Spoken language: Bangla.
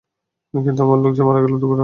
কিন্তু আমার লোক যে মারা গেল - দুর্ঘটনা।